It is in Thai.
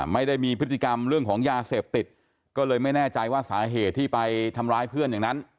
ไม่ได้มีพฤติกรรมเรื่องของยาเสพติดก็เลยไม่แน่ใจว่าสาเหตุที่ไปทำร้ายเพื่อนอย่างนั้น